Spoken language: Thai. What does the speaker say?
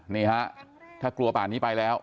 นี่ฮะถ้ากลัวป่านนี้ไปแล้ว